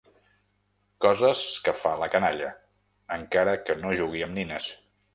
Coses que fa la canalla, encara que no jugui amb nines.